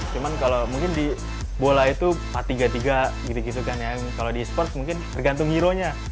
cuman kalau di bola itu empat tiga tiga gitu kan ya kalau di esports mungkin tergantung hero nya